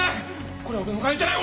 これは俺の金じゃない！